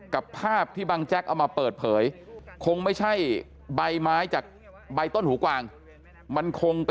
ภาพที่บางแจ๊กเอามาเปิดเผยคงไม่ใช่ใบไม้จากใบต้นหูกวางมันคงไป